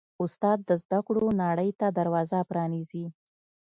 استاد د زده کړو نړۍ ته دروازه پرانیزي.